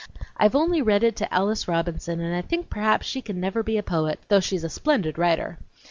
"I've only read it to Alice Robinson, and I think perhaps she can never be a poet, though she's a splendid writer.